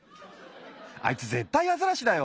あいつぜったいアザラシだよ。